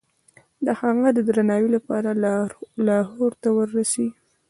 د هغه د درناوي لپاره لاهور ته ورسي.